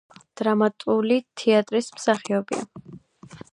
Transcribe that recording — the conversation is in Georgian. დრამატული თეატრის მსახიობია.